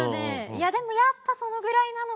いやでもやっぱそのぐらいなのか。